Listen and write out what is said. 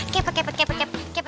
kepet kepet kepet